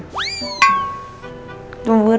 enggak biasa aja